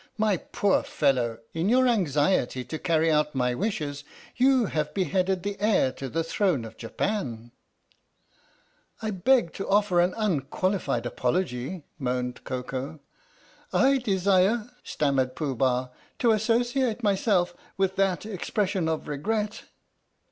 My poor fellow, in your anxiety to carry out my wishes you have beheaded the heir to the throne of Japan !"" I beg to offer an unqualified apology! " moaned Koko. " I desire," stammered Pooh Bah, " to associate myself with that expression of regret."